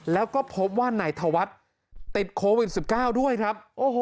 แล้วก็พบว่านายธวัฒน์ติดโควิด๑๙ด้วยครับ